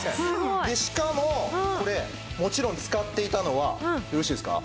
しかもこれもちろん使っていたのはよろしいですか？